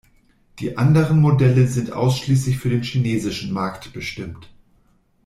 Die anderen Modelle sind ausschließlich für den chinesischen Markt bestimmt.